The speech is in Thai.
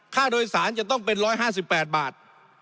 ค่าโดยสารจะต้องเป็น๑๕๘บาท